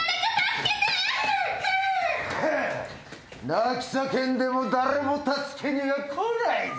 泣き叫んでも誰も助けには来ないぞ！